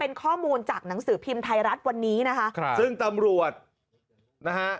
เป็นข้อมูลจากหนังสือพิมพ์ไทยรัฐวันนี้นะคะครับซึ่งตำรวจนะฮะ